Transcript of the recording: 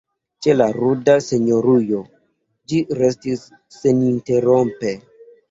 Ĉe la ruda senjorujo ĝi restis seninterrompe.